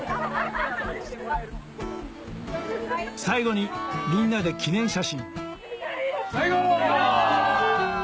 最後にみんなで記念写真最高！